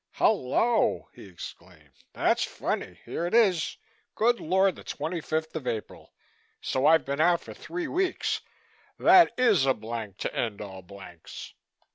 "Hullo!" he exclaimed. "That's funny. Here it is. Good Lord! the twenty fifth of April! So I've been out for three weeks. That is a blank to end all blanks."